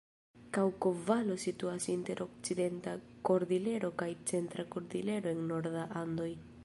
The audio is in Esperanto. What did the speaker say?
Kaŭko-Valo situas inter Okcidenta Kordilero kaj Centra Kordilero en nordaj Andoj.